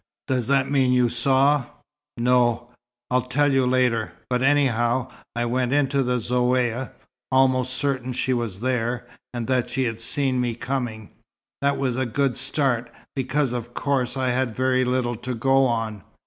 "Does that mean you saw " "No. I'll tell you later. But anyhow, I went into the Zaouïa, almost certain she was there, and that she'd seen me coming. That was a good start, because of course I'd had very little to go on.